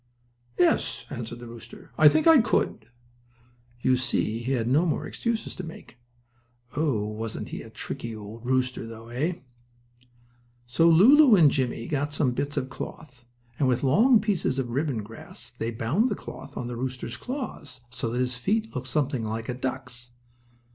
"Yes," answered the rooster, "I think I could." You see he had no more excuses to make. Oh, wasn't he a tricky old rooster, though, eh? So Lulu and Jimmie got some bits of cloth, and, with long pieces of ribbon grass, they bound the cloth on the rooster's claws so his feet looked something like a duck's.